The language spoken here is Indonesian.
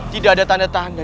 tidak ada tanda tanda